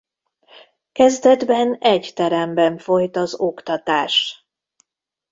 Kezdetben egy teremben folyt az oktatás.